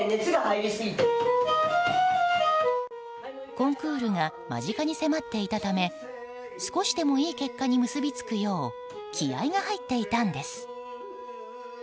コンクールが間近に迫っていたため少しでもいい結果に結びつくよう気合が入っていたんです。